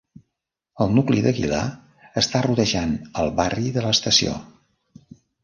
El nucli d'Aguilar, està rodejant el barri de l'estació.